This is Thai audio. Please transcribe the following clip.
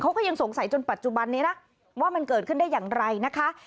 เขาก็ยังสงสัยจนปัจจุบันนี้นะว่ามันเกิดขึ้นได้อย่างไรนะคะ